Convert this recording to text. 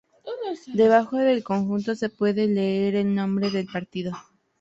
Debajo del conjunto se puede leer el nombre del partido.